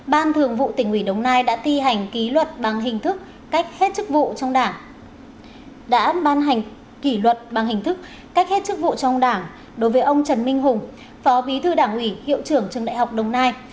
ban thường vụ tỉnh ủy đồng nai đã thi hành kỷ luật bằng hình thức cách hết chức vụ trong đảng đối với ông trần minh hùng phó bí thư đảng ủy hiệu trưởng trường đại học đồng nai